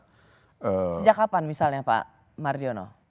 sejak kapan misalnya pak mardiono